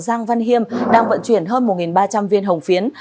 giang văn hiêm đang vận chuyển hơn một ba trăm linh viên hồng phiến